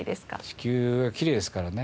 地球はきれいですからね。